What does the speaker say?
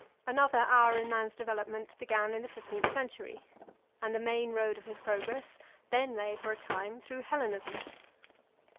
Another hour in man's development began in the fifteenth century, and the main road of his progress then lay for a time through Hellenism.